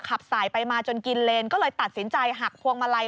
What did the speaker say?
ขับสายไปมาจนกินเลนก็เลยตัดสินใจหักพวงมาลัย